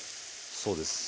そうです。